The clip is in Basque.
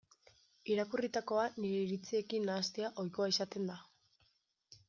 Irakurritakoa nire iritziekin nahastea ohikoa izaten da.